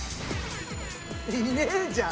いねえじゃん。